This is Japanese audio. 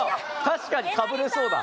確かにかぶれそうだ。